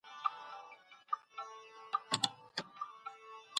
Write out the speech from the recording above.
فارابي د يوه نړيوال دولت د جوړېدو غوښتونکی و.